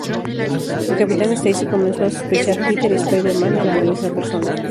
El Capitán Stacy comenzó a sospechar Peter y Spider-Man eran la misma persona.